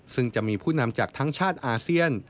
ซึ่งจะมีผู้นำจากทั้งชาติอาเซียน